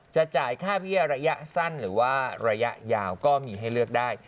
จ่ายค่าเบี้ยระยะสั้นหรือว่าระยะยาวก็มีให้เลือกได้